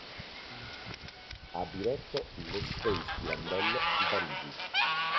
Ha diretto l'"Espace Pirandello” di Parigi.